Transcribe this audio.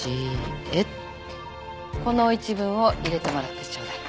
この一文を入れてもらってちょうだい。